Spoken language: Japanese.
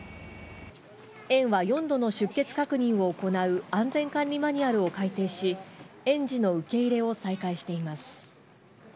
園は４度の出欠確認を行う安全管理マニュアルを改訂し園児の受け入れを再開しています。